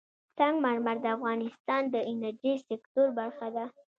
سنگ مرمر د افغانستان د انرژۍ سکتور برخه ده.